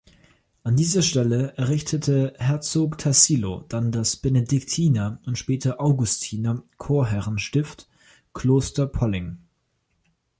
An dieser Stelle errichtete Herzog Tassilo dann das Benediktiner- und spätere Augustiner-Chorherrenstift Kloster Polling.